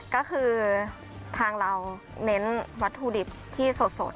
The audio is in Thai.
ก็คือทางเราเน้นวัตถุดิบที่สด